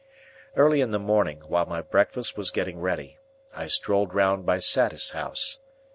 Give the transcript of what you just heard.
Early in the morning, while my breakfast was getting ready, I strolled round by Satis House.